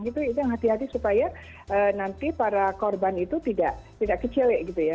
itu yang hati hati supaya nanti para korban itu tidak kecelek gitu ya